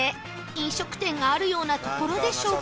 飲食店があるような所でしょうか？